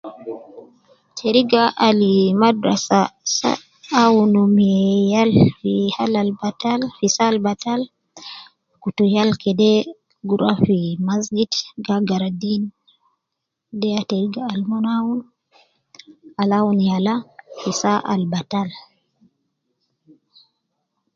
Teriga ali madrasa sa awunu me yal fi hal al batal fi saa al batal ,kutu yal kede gu ruwa fi masgiti ga agara deen, de ya teriga al mon awun al awun yala fi saa al batal.